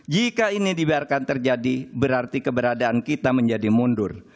jika ini dibiarkan terjadi berarti keberadaan kita menjadi mundur